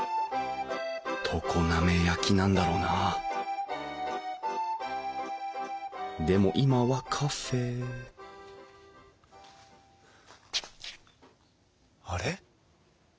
常滑焼なんだろうなあでも今はカフェあれ？